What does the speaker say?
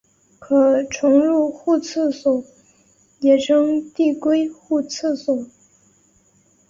可重入互斥锁也称递归互斥锁。